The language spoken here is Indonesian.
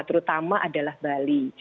terutama adalah bali